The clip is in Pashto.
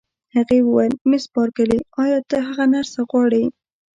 هغې وویل: مس بارکلي، ایا ته هغه نرسه غواړې؟